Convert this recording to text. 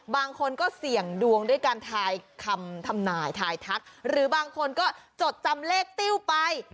บางคนก็เสี่ยงดวงด้วยการทายคำทำนายทายทักหรือบางคนก็จดจำเลขติ้วไป